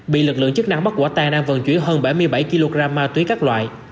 bị lực lượng chức năng bắt quả tang đang vận chuyển hơn bảy mươi bảy kg ma túy các loại